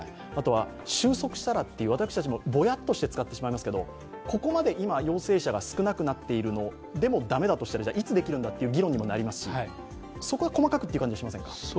収束したらという、私たちもぼやっとして使いますけれども、ここまで今、陽性者が少なくなっているのでも駄目だとしたらいつできるんだという議論にもなりますし、そこは細かくという感じがしませんか？